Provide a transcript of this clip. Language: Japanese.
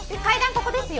ここですよ！